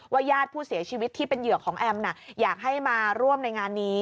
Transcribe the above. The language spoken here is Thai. ญาติผู้เสียชีวิตที่เป็นเหยื่อของแอมอยากให้มาร่วมในงานนี้